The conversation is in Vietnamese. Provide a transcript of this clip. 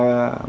một hai triệu